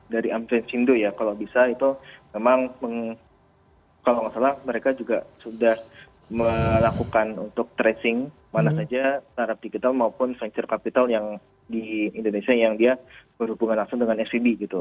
dari amplin sindo ya kalau bisa itu memang kalau nggak salah mereka juga sudah melakukan untuk tracing mana saja startup digital maupun venture capital yang di indonesia yang dia berhubungan langsung dengan svb gitu